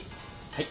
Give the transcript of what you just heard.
はい。